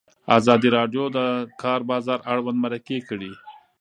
ازادي راډیو د د کار بازار اړوند مرکې کړي.